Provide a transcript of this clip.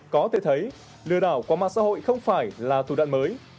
có thể thấy lừa đảo qua mạng xã hội không phải là thủ đoạn mới